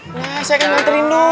wah saya kan yang terindung